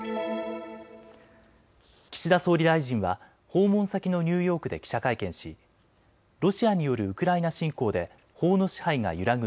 岸田総理大臣は訪問先のニューヨークで記者会見しロシアによるウクライナ侵攻で法の支配が揺らぐ